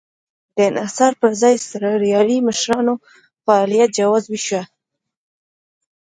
د انحصار پر ځای اسټرالیایي مشرانو فعالیت جواز وېشه.